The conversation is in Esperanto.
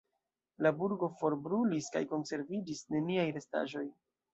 La burgo forbrulis kaj konserviĝis neniaj restaĵoj.